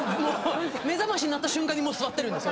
目覚まし鳴った瞬間にもう座ってる。